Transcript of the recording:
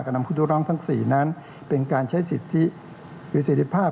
การณ์ดังกล่าวขึ้นทั้งสี่นั้นเป็นการใช้สิทธิหรือศิลภาพ